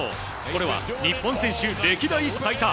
これは日本選手歴代最多。